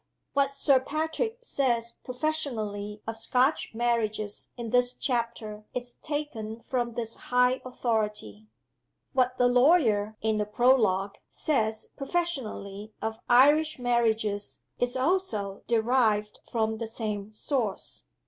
What Sir Patrick says professionally of Scotch Marriages in this chapter is taken from this high authority. What the lawyer (in the Prologue) says professionally of Irish Marriages is also derived from the same source.